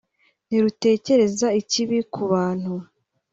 ntirutekereza ikibi ku bantu